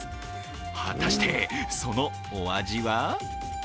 果たして、そのお味は？